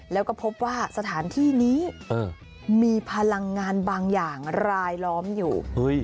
แล้วก็พบว่าสถานที่นี้มีพลังงานบางอย่างรายล้อมอยู่